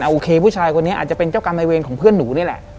โอเคผู้ชายคนนี้อาจจะเป็นเจ้ากรรมในเวรของเพื่อนหนูนี่แหละ